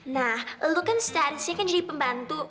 nah lo kan setanisnya kan jadi pembantu